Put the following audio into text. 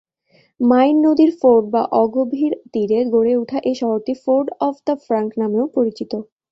Mine নদীর ford বা অগভীর তীরে গড়ে উঠা এ শহরটি ফোর্ড অব দা ফ্রাঙ্ক নামেও পরিচিত।